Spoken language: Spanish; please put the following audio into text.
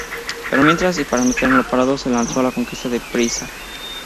Pero mientras, y para no tenerlo parado, se lanzó a la conquista de Pisa.